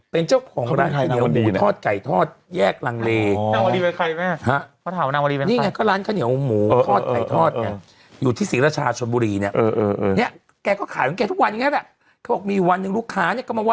เป็นเจ้าของร้านข้าวเหนียวหมูทอดไก่ทอดแยกลังเล